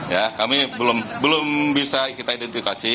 ya kami belum bisa kita identifikasi